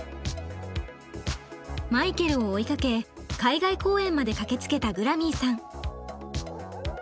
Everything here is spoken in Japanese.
マイケルを追いかけ海外公演まで駆けつけたグラミーさん。